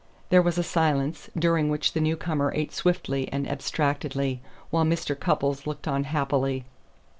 There was a silence, during which the newcomer ate swiftly and abstractedly, while Mr. Cupples looked on happily.